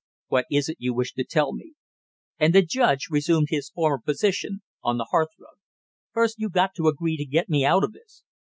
"What is it you wish to tell me?" And the judge resumed his former position on the hearth rug. "First you got to agree to get me out of this."